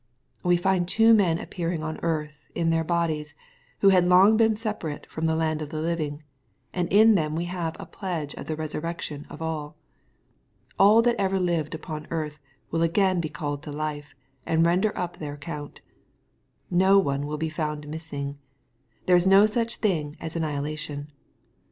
We find two men appearing on earth, in their bodies, who had long been separate from the land of the living — and in them we have a pledge of the resurrection of all. All that have ever lived upoi^earth will again be called to life, and render up their account. Not one will be found missing. There is no such thing as annihilation.